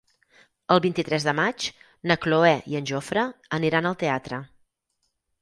El vint-i-tres de maig na Cloè i en Jofre aniran al teatre.